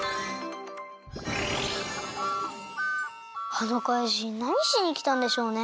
あのかいじんなにしにきたんでしょうね？